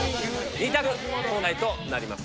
２択問題となります。